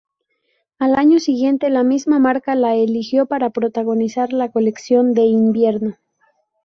Al año siguiente la misma marca la eligió para protagonizar la colección de invierno.